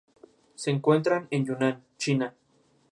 Se encuentra en Yunnan, China.